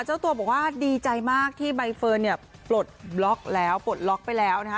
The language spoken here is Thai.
เจ้าตัวบอกว่าดีใจมากที่ใบเฟิร์นเนี่ยปลดบล็อกแล้วปลดล็อกไปแล้วนะคะ